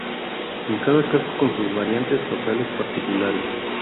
En cada caso con sus variantes locales particulares.